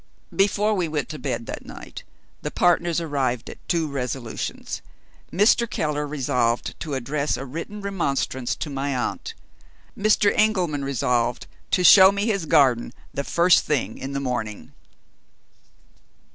Before we went to bed that night, the partners arrived at two resolutions. Mr. Keller resolved to address a written remonstrance to my aunt. Mr. Engelman resolved to show me his garden the first thing in the morning.